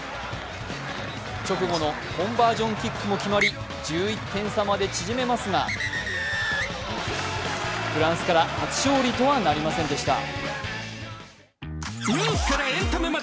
直後のコンバージョンキックも決まり、１１点差まで縮めますがフランスから初勝利とはなりませんでした。